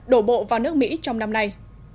đổ bộ vào nước mỹ trong năm nay